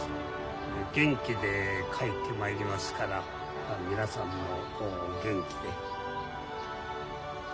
元気で帰ってまいりますから皆さんもお元気で。